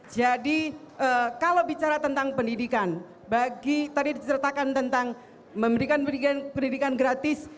jadi kalau bicara tentang pendidikan tadi diceritakan tentang memberikan pendidikan gratis